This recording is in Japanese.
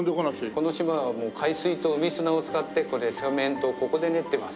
この島はもう海水と海砂を使ってこれセメントをここで練ってます。